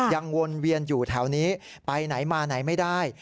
วนเวียนอยู่แถวนี้ไปไหนมาไหนไม่ได้